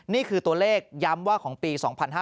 นี่คือตัวเลขย้ำว่าของปี๒๕๕๙